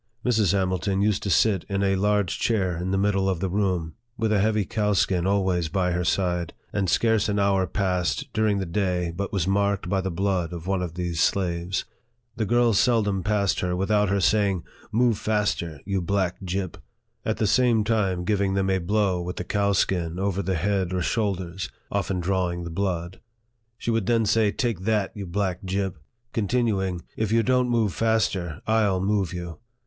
Mrs. Hamilton used to sit in a large chair in the middle of the room, with a heavy cowskin always by her side, and scarce an hour passed during the day but was marked by the blood of one of these slaves. The girls seldom passed her without her saying, " Move faster, you black gip I " at the same time giving them a blow with the cow 36 NARRATIVE OF THE skin over the head or shoulders, often drawing the blood. She would then say, " Take that, you Hack gip !" continuing, " If you don't move faster, I'll move you